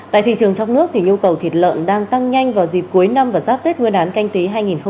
tại thị trường trong nước nhu cầu thịt lợn đang tăng nhanh vào dịp cuối năm và giáp tết nguyên đán canh tí hai nghìn hai mươi